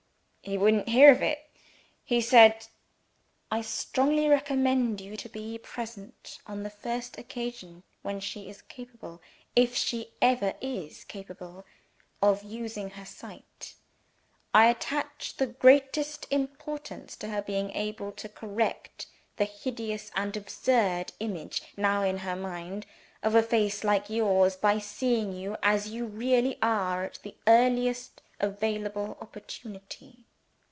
"He wouldn't hear of it. He said, 'I strongly recommend you to be present on the first occasion when she is capable (if she ever is capable) of using her sight. I attach the greatest importance to her being able to correct the hideous and absurd image now in her mind of a face like yours, by seeing you as you really are at the earliest available opportunity.'"